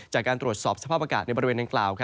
จากการตรวจสอบสภาพอากาศในบริเวณดังกล่าว